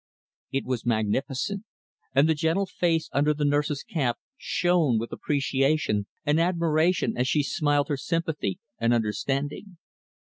It was magnificent, and the gentle face under the nurse's cap shone with appreciation and admiration as she smiled her sympathy and understanding.